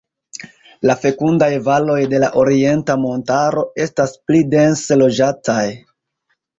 La fekundaj valoj de la Orienta Montaro estas pli dense loĝataj.